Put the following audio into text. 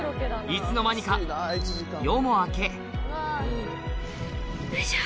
いつの間にか夜も明けよいしょ！